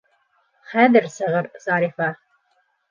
Хәҙер сығыр Зарифа...